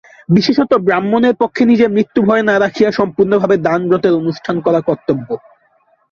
বিশেষত ব্রাহ্মণের পক্ষে নিজের মৃত্যুভয় না রাখিয়া সম্পূর্ণভাবে দানব্রতের অনুষ্ঠান করা কর্তব্য।